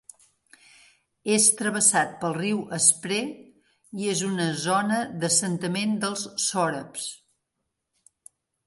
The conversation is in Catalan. És travessat pel riu Spree i és una zona d'assentament dels sòrabs.